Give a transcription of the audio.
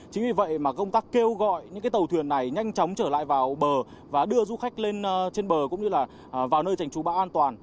chính vì vậy mà công tác kêu gọi những tàu thuyền này nhanh chóng trở lại vào bờ và đưa du khách lên trên bờ cũng như là vào nơi trành trú bão an toàn